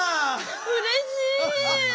うれしい！